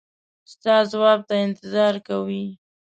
ستا ځواب ته انتظار کوي.